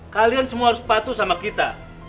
kalian semua harus patuh sama kita